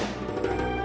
kepada nyi nawang